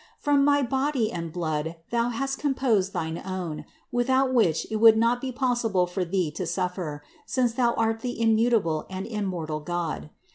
From my body and blood Thou hast composed thine own, without which it would not be possible for Thee to suffer, since Thou art the im mutable and immortal God.